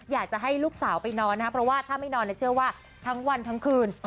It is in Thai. อยากจะให้ลูกสาวไปนอนนะครับเพราะว่าถ้าไม่นอนเชื่อว่าทั้งวันทั้งคืน